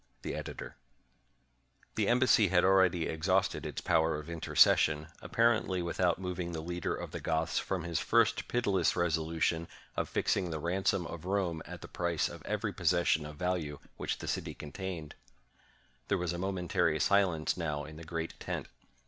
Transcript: The Editor^ The embassy had already exhausted its power of in tercession, apparently without moving the leader of the Goths from his first pitiless resolution of fixing the ran som of Rome at the price of every possession of value which the city contained. There was a momentary si lence now in the great tent.